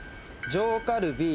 上カルビ。